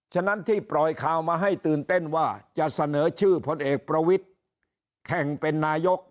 ฉะนั้นที่ปล่อยข่าวมาให้ตื่นเต้นว่าจะเสนอชื่อพลเอกประวิทธิ์แข่งเป็นนายก